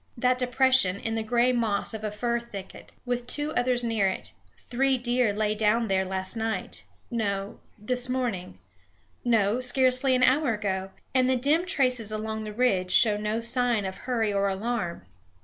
That depression in the gray moss of a fir thicket, with two others near it three deer lay down there last night; no, this morning; no, scarcely an hour ago, and the dim traces along the ridge show no sign of hurry or alarm.